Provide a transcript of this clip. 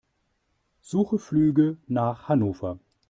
Suche Flüge nach Hannover.